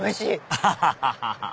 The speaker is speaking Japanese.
アハハハ